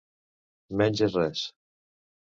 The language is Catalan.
Menys és res.